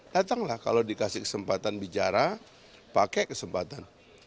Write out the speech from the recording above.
datanglah kalau dikasih kesempatan bicara pakai kesempatan